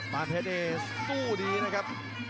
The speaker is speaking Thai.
มาร์นเพจเดสสู้ดีนะครับ